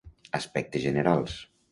Aspectes generals.